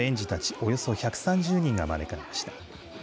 およそ１３０人が招かれました。